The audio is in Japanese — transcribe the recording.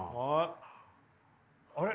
あれ？